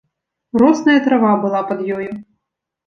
Росная трава была пад ёю.